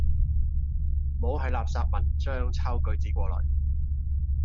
唔好喺垃圾文章抄句子過來